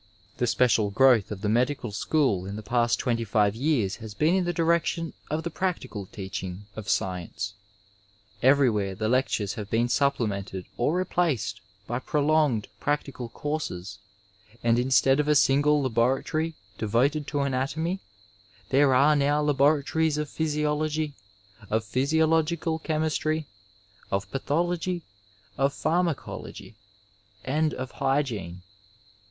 The special growth of the medical school m the past 25 years has been in the direction of the practical teaching of science. Everywhere the lectures have been supplemented or replaced by prolonged practical courses, and instead of a single laboratory devoted to anatomy, there are now laboratories of physiology, of physiological chemistry, of pathology, of pharmacolc^, and of hygiene.